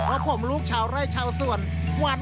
แล้วผมลูกชาวไร้ชาวส่วน